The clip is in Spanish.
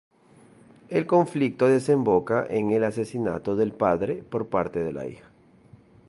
El conflicto desemboca en el asesinato del padre por parte de la hija.